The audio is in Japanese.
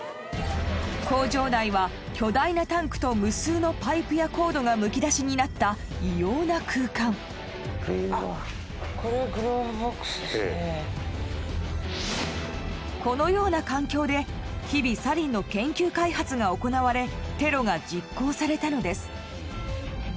工場内は巨大なタンクと無数のパイプやコードがむき出しになった異様な空間このような環境で日々サリンの研究開発が行われテロが実行されたのです